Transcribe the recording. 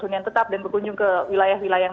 hunian tetap dan berkunjung ke wilayah wilayah yang